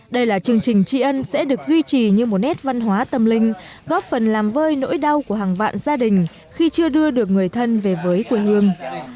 đây là chương trình tri ân sẽ được duy trì như một nét văn hóa tâm linh góp phần làm vơi nỗi đau của hàng vạn gia đình khi chưa đưa được người thân về với quê hương